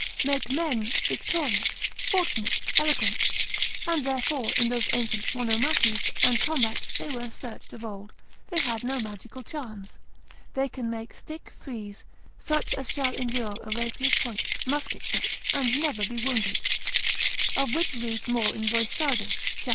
make men victorious, fortunate, eloquent; and therefore in those ancient monomachies and combats they were searched of old, they had no magical charms; they can make stick frees, such as shall endure a rapier's point, musket shot, and never be wounded: of which read more in Boissardus, cap.